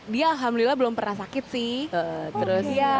dia alhamdulillah belum pernah sakit sih